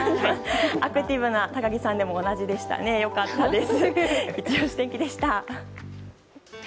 アクティブな高木さんでも同じでした、良かったです。